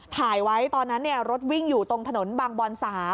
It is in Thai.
ถ่ายไว้ตอนนั้นรถวิ่งอยู่ตรงถนนบางบอน๓